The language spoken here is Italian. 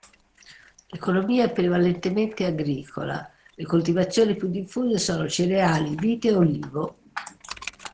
L'economia è prevalentemente agricola: le coltivazioni più diffuse sono cereali, vite, olivo.